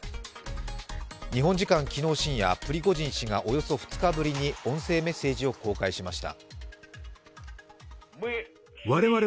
日本時間昨日深夜、プリゴジン氏がおよそ２日ぶりに音声メッセージを公開しました。